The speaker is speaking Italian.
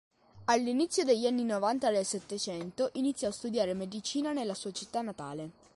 All'inizio degli anni novanta del Settecento iniziò a studiare medicina nella sua città natale.